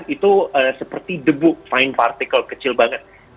pm dua lima itu seperti debu fine particle kecil banget